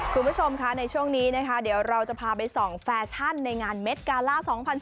คุณผู้ชมค่ะในช่วงนี้นะคะเดี๋ยวเราจะพาไปส่องแฟชั่นในงานเม็ดกาล่า๒๐๑๘